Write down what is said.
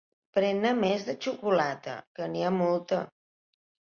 Pren-ne més, de xocolata, que n'hi ha molta.